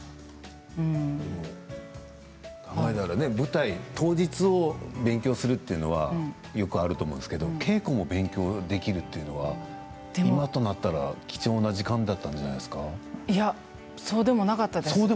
舞台当日を勉強するというのはよくあると思うんですけれど稽古も勉強できるというのは今となったら貴重な時間だったんじゃないですかいやそうでもなかったです。